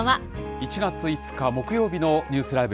１月５日木曜日のニュースＬＩＶＥ！